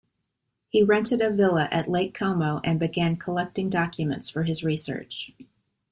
He rented a villa at Lake Como and began collecting documents for his research.